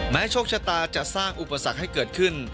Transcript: โชคชะตาจะสร้างอุปสรรคให้เกิดขึ้น